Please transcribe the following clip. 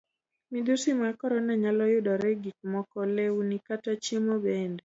Midhusi mag korona nyalo yudore e gik moko lewni, kata chiemo bende.